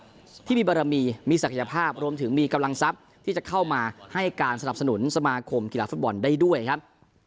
ที่มีบารมีมีศักยภาพรวมถึงมีกำลังทรัพย์ที่จะเข้ามาให้การสนับสนุนสมาคมกีฬาฟุตบอลได้ด้วยครับ